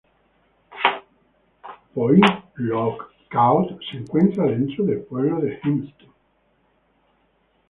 Point Lookout se encuentra dentro del pueblo de Hempstead.